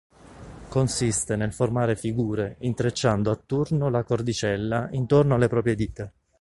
Consiste nel formare figure intrecciando a turno la cordicella intorno alle proprie dita.